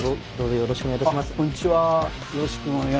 よろしくお願いします。